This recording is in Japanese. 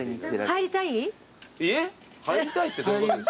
「入りたい？」ってどういうことですか。